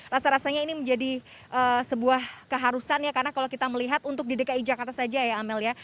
rasa rasanya ini menjadi sebuah keharusan ya karena kalau kita melihat untuk di dki jakarta saja ya amel ya